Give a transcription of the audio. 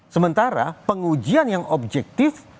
sementara pengujian yang objektif